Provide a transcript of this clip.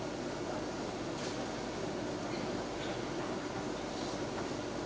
dari informasi saya